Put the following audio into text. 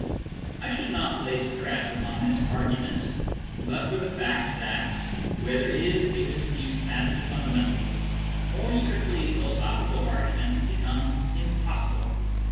I should not lay stress upon this argument, but for the fact that, where there is a dispute as to fundamentals, more strictly philosophical arguments become impossible.